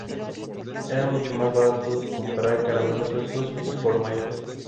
Era mucho más barato comprar caramelos sueltos, o al por mayor.